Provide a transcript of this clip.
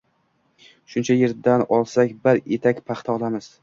Shuncha yerdan olsak, bir etak paxta olamiz